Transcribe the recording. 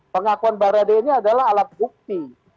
pengakuan barade ini adalah alat bukti